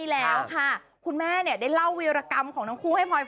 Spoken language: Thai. ใช่แล้วค่ะคุณแม่ได้เล่าเวียรกรรมของน้องคู่ให้พอฟัง